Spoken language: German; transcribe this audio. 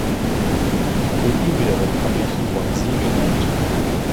Von ihm wiederum habe Zhuangzi gelernt.